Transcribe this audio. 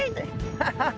「ハハハ！」。